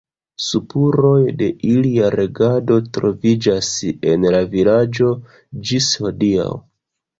Spuroj de ilia regado troviĝas en la vilaĝo ĝis hodiaŭ.